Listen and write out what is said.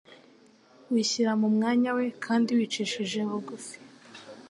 wishyira mu mwanya we kandi wicishije bugufi